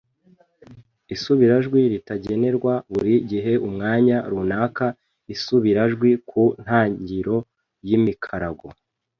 Isubirajwi ritagenerwa buri gihe umwanya runaka isubirajwi ku ntangiro y’imikarago